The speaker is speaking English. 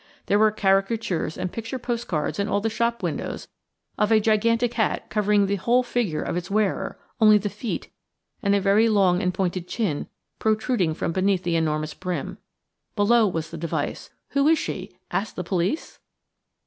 There were caricatures and picture post cards in all the shop windows of a gigantic hat covering the whole figure of its wearer, only the feet, and a very long and pointed chin, protruding from beneath the enormous brim. Below was the device, "Who is she? Ask the police?"